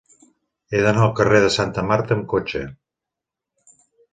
He d'anar al carrer de Santa Marta amb cotxe.